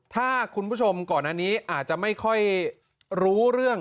ถ้าคุณผู้ชมก่อนอันนี้อาจจะไม่ค่อยรู้เรื่อง